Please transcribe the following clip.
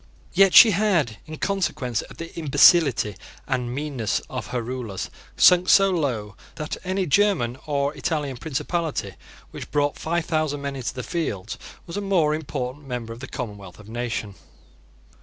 Yet she had, in consequence of the imbecility and meanness of her rulers, sunk so low that any German or Italian principality which brought five thousand men into the field was a more important member of the commonwealth of nations.